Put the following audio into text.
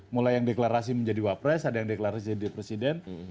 mulai yang deklarasi menjadi wapres ada yang deklarasi jadi presiden